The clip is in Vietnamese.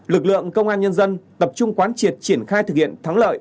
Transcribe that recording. lực lượng công an nhân dân tập trung quán triệt triển khai thực hiện thắng lợi